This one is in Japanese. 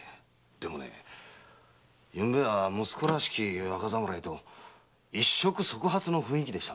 でもね昨晩は息子らしき若侍と一触即発の雰囲気でしたんでね。